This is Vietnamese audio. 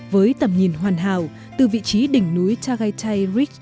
với tầm nhìn hoàn hảo từ vị trí đỉnh núi tagaytay